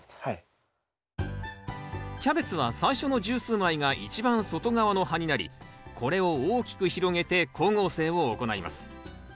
キャベツは最初の十数枚が一番外側の葉になりこれを大きく広げて光合成を行います。